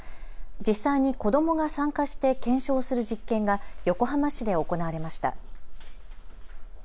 実際に子どもが参加して検証する実験が横浜市で行われました。